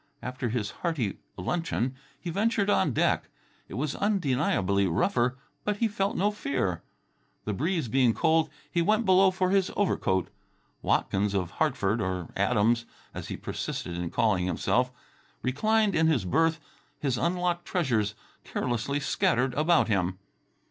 After his hearty luncheon he ventured on deck. It was undeniably rougher, but he felt no fear. The breeze being cold, he went below for his overcoat. Watkins of Hartford or Adams, as he persisted in calling himself reclined in his berth, his unlocked treasures carelessly scattered about him.